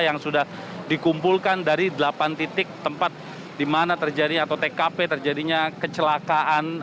yang sudah dikumpulkan dari delapan titik tempat di mana terjadi atau tkp terjadinya kecelakaan